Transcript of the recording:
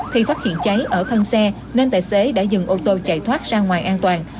thì phát hiện cháy ở thân xe nên tài xế đã dừng ô tô chạy thoát ra ngoài an toàn